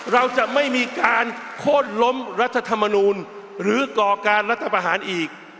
เราจะไม่มีการโคตรล้มรัฐธรรมนูลหรือก่อการรัฐประหารอีก